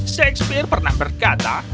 shakespeare pernah berkata